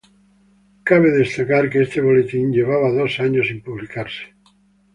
Cabe destacar que este Boletín tenía dos años sin ser publicado.